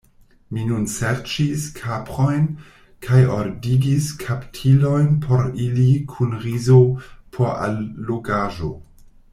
Mi nun serĉis kaprojn, kaj ordigis kaptilojn por ili, kun rizo por allogaĵo.